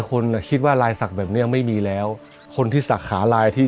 คนอ่ะคิดว่าลายสั่งแบบเนี้ยไม่มีแล้วคนที่สั่งขาลายที่